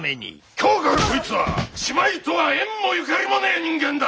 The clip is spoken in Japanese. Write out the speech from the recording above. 今日からこいつは芝居とは縁もゆかりもねえ人間だ！